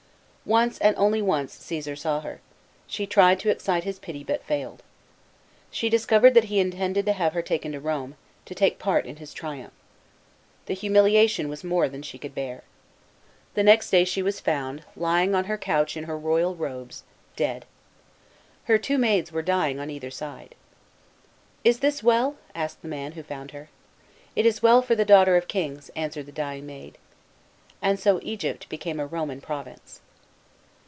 Once, and once only, Ccesar saw her ; she tried to excite his pity, but failed. She discovered that he intended to have her taken to Rome, to take part in his triumph. The humiliation was more than she could bear. The next day she was found lying on her couch, in her royal robes, dead. Her two maids were dying on either side. " Is this well ?" asked the man, who found her. "It is well for the daughter of kings/' answered the dying maid. And so Egypt became a Roman province.